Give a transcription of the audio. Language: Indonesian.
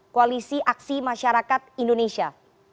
koalisi aksi masyarakat indonesia